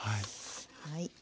はい。